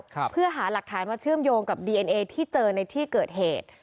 ครับเพื่อหาหลักฐานมาเชื่อมโยงกับดีเอ็นเอที่เจอในที่เกิดเหตุ